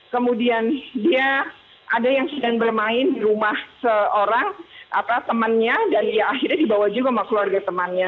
kemudian dia ada yang sedang bermain di rumah seorang temannya dan ya akhirnya dibawa juga sama keluarga temannya